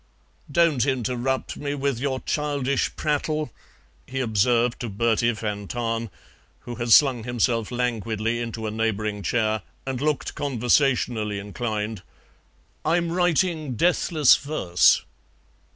"Don't interrupt me with your childish prattle," he observed to Bertie van Tahn, who had slung himself languidly into a neighbouring chair and looked conversationally inclined; "I'm writing deathless verse."